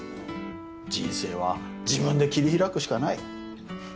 人生は自分で切り開くしかない。